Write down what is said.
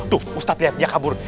tuh ustadz lihat dia kabur